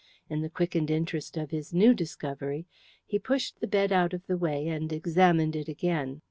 In the quickened interest of his new discovery he pushed the bed out of the way and examined it again.